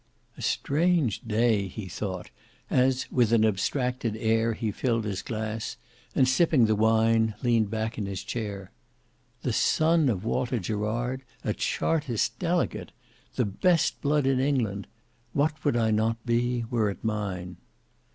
"A strange day," he thought, as with an abstracted air he filled his glass, and sipping the wine, leant back in his chair. "The son of Walter Gerard! A chartist delegate! The best blood in England! What would I not be, were it mine.